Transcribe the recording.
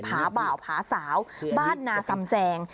ผาบ่าวผาสาวบ้านนาซำแซง